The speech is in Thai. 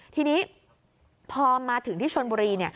ทีนี้พอมาถึงที่ชนบุรี